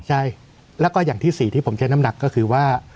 ใช่แล้วก็อย่างที่๔ที่ผมใช้น้ำหนักก็คือว่า